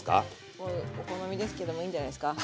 もうお好みですけどもういいんじゃないですか。